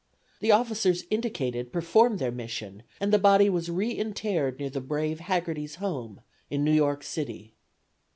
The officers indicated performed their mission and the body was re interred near the brave Haggerty's home, in New York City.